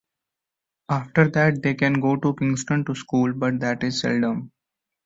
After that, they can go to Kingston to school, but that is seldom.